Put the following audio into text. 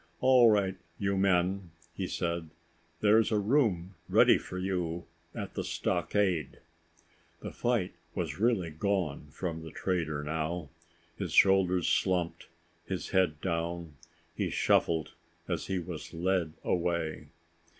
"All right, you men," he said, "there's a room ready for you at the stockade." The fight was really gone from the trader now. His shoulders slumped, his head down, he shuffled as he was led away.